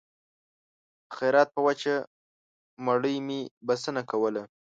د خیرات په وچه مړۍ مې بسنه کوله